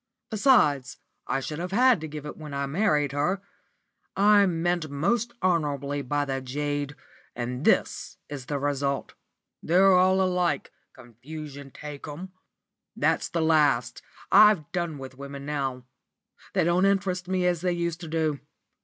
Besides, I should have had to give it when I married her. I meant most honourably by the jade, and this is the result. They're all alike, confusion take 'em. That's the last. I've done with women now. They don't interest me as they used to do.